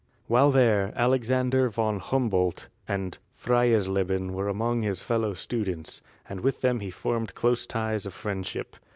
While there Alexander von Humboldt and Freies leben were among his fellow students, and with them he formed close ties of friendship.